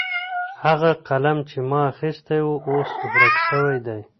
هغه قلم چې ما اخیستی و اوس ورک سوی دی.